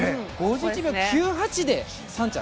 ５１秒９８で３着。